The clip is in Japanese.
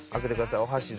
お箸で。